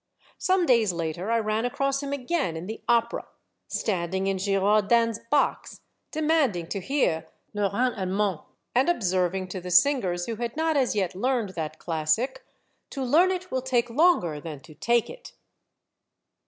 Some days later I ran across him again in the Opera, standing in Girardin's box, demanding to hear " le Rhin Allemand," ^ and observing to the singers who had not as yet learned that classic, To learn it will take longer than to take it